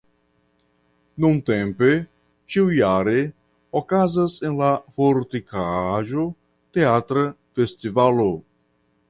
Nuntempe ĉiujare okazas en la fortikaĵo teatra festivalo.